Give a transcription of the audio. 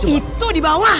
itu di bawah